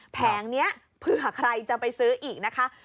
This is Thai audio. แผงนี้เผื่อใครจะไปซื้ออีกนะคะ